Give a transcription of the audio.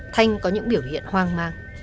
thanh có những biểu hiện hoang mang